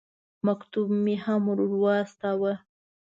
مکتوب مې هم ور واستاوه.